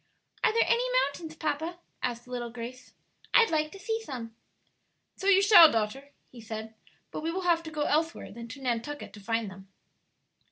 "Are there any mountains, papa?" asked little Grace. "I'd like to see some." "So you shall, daughter," he said; "but we will have to go elsewhere than to Nantucket to find them."